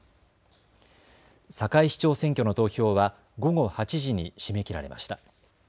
堺市長選挙の投票は午後８時に締め切られました。